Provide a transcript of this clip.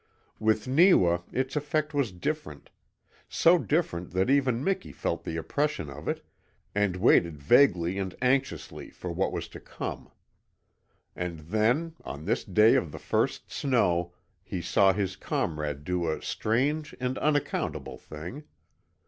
With Neewa its effect was different so different that even Miki felt the oppression of it, and waited vaguely and anxiously for what was to come. And then, on this day of the first snow, he saw his comrade do a strange and unaccountable thing.